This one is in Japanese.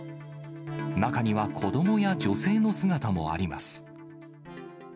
中には子どもや女性の姿もあります。